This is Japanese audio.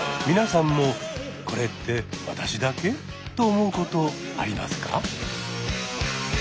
皆さんも「これって私だけ？」と思うことありますか？